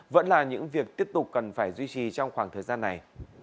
vẫn là những việc tiếp tục cần phải duy trì trong khoảng thời gian này